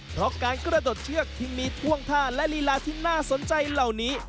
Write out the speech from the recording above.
เพราะการกระโดดเชือกที่มีท่วงท่าและลีลาที่น่าสนใจเหล่านี้